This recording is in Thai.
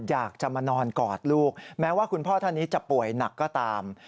อยากจะมานอนกอดลูกแม้ว่าคุณพ่อท่านนี้จะป่วยหนักก็ตาม